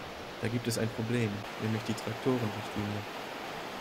Da gibt es ein Problem, nämlich die Traktorenrichtlinie.